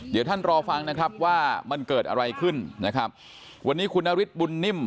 เดี๋ยวท่านรอฟังนะครับว่ามันเกิดอะไรขึ้นนะครับวันนี้คุณนฤทธิบุญนิ่ม